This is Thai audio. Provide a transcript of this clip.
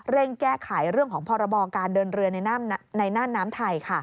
แก้ไขเรื่องของพรบการเดินเรือในน่านน้ำไทย